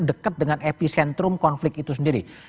dekat dengan epicentrum konflik itu sendiri